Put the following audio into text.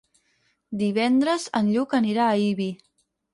Divendres en Lluc anirà a Ibi.